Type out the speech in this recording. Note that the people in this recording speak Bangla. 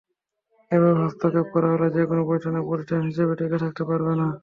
এভাবে হস্তক্ষেপ করা হলে যেকোনো প্রতিষ্ঠানই প্রতিষ্ঠান হিসেবে টিকে থাকতে পারবে না।